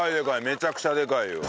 めちゃくちゃでかいよ。